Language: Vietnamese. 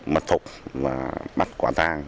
mật phục và bắt quả tang